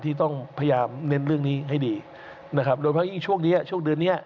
ที่ต้องพยายามเน้นเรื่องนี้ให้ดีนะครับโดยเพราะยิ่งช่วงนี้ช่วงเดือนเนี้ย